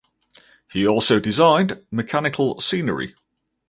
He also designed mechanical scenery.